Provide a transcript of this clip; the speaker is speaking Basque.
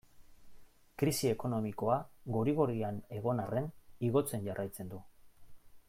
Krisi ekonomikoa gori-gorian egon arren igotzen jarraitzen du.